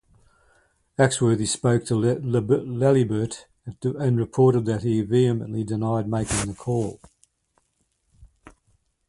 Axworthy spoke to Laliberte, and reported that he vehemently denied making the call.